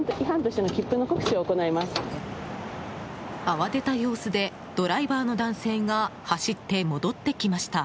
慌てた様子でドライバーの男性が走って戻ってきました。